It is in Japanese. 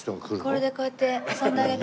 これでこうやって遊んであげて。